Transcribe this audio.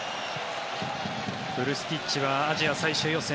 フルスティッチはアジア最終予選